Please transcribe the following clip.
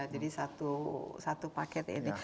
jadi satu paket ini